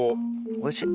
おいしい。